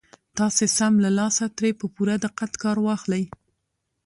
تاسې سم له لاسه ترې په پوره دقت کار واخلئ.